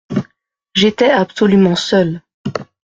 J’étais absolument seul.